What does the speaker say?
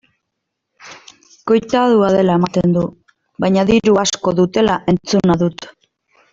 Koitadua dela ematen du baina diru asko dutela entzuna dut.